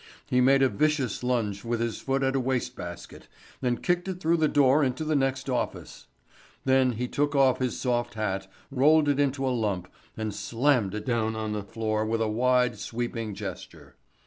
He made a vicious lunge with his foot at a waste basket and kicked it through the door into the next office. Then he took off his soft hat, rolled it into a lump and slammed it down on the floor with a wide, sweeping gesture.